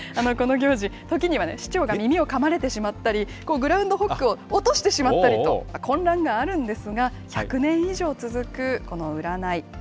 この行事、時にはね、市長が耳をかまれてしまったり、グラウンドホッグを落としてしまったりと、混乱があるんですが、１００年以上続く、この占い。